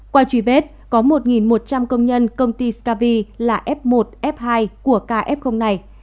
qua truy vết có một một trăm linh công nhân công ty scavi là f một f hai của kf này